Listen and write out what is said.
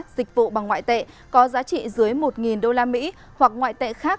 dịch vụ bằng ngoại tệ có giá trị dưới một usd hoặc ngoại tệ khác